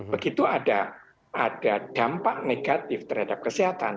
begitu ada dampak negatif terhadap kesehatan